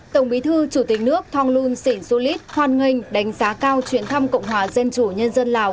tổng bí thư chủ tịch nước thong lun sĩ xu lít hoan nghênh đánh giá cao chuyến thăm cộng hòa dân chủ nhân dân lào